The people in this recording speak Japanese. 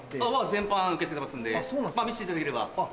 全般受け付けてますんで見せていただければ。